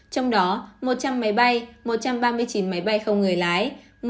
trong đó một trăm linh máy bay một trăm ba mươi chín máy bay không người lái